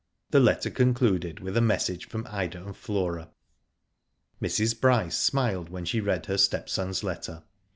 The letter concluded with a message from Ida and Flora. Mrs. Bryce smiled when she read her step son's letter.